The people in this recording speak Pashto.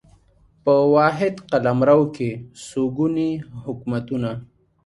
په واحد قلمرو کې څو ګوني حکومتونه